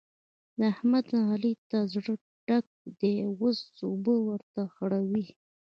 د احمد؛ علي ته زړه ډک دی اوس اوبه ورته خړوي.